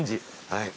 はい。